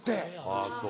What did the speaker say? あぁそう。